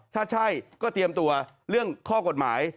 ถ้าใช่ก็เตรียมตัวเรื่องข้อกฎหมาย